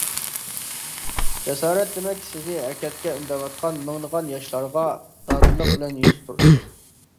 جاسارەت دېمەك، سىزنى ھەرىكەتكە ئۈندەۋاتقان مىڭلىغان ياشلارغا دادىللىق بىلەن يۈز تۇرۇشتۇر.